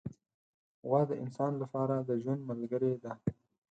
غوا د انسان له پاره د ژوند ملګرې ده.